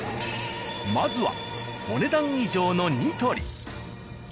まずはお、ねだん以上。の「ニトリ」。